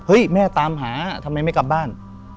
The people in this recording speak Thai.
แม่ตามหาทำไมไม่กลับบ้าน